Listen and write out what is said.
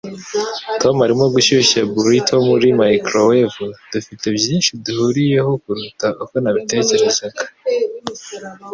Tom arimo gushyushya burrito muri microwave. Dufite byinshi duhuriyeho kuruta uko nabitekerezaga.